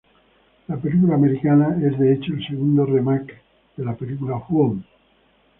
La película americana, es de hecho el segundo remake de la película Ju-on.